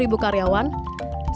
alibaba juga menjual sahamnya di koto